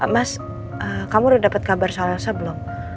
mas kamu udah dapet kabar soal saya belum